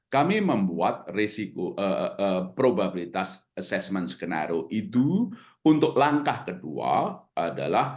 kami membuat risiko probabilitas assessment skenario itu untuk langkah kedua adalah